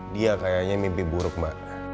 dia kayaknya mimpi buruk mbak